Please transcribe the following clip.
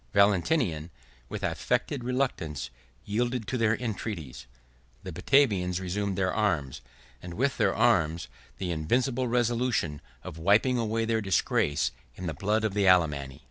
Valentinian, with affected reluctance, yielded to their entreaties; the Batavians resumed their arms, and with their arms, the invincible resolution of wiping away their disgrace in the blood of the Alemanni.